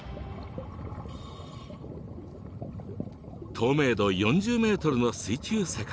透明度４０ｍの水中世界。